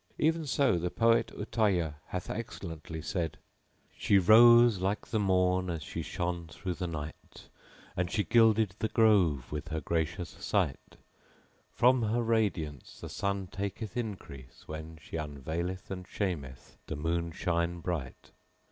Even so the poet Utayyah hath excellently said:— She rose like the morn as she shone through the night * And she gilded the grove with her gracious sight: From her radiance the sun taketh increase when * She unveileth and shameth the moonshine bright.